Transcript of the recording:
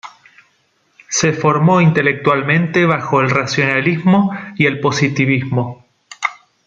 Se formó intelectualmente bajo el racionalismo y el positivismo.